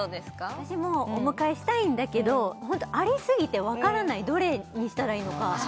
私もお迎えしたいんだけどホントありすぎてわからないどれにしたらいいのかああ